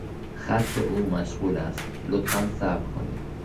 خط او مشغول است، لطفا صبر کنید.